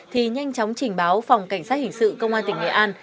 thì nhanh chóng trình báo phòng cảnh sát hình sự công an tỉnh nghệ an